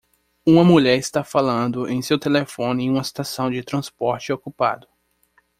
Uma mulher está falando em seu telefone em uma estação de transporte ocupado.